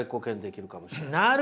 なるほど！